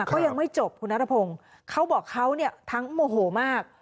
ก็ยังไม่จบคุณนัทพงศ์เขาบอกเขาเนี่ยทั้งโมโหมาก